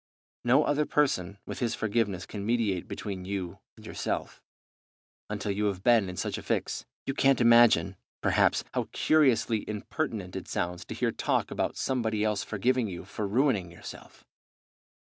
No other person with his forgiveness can mediate between you and yourself. Until you have been in such a fix, you can't imagine, perhaps, how curiously impertinent it sounds to hear talk about somebody else forgiving you for ruining yourself.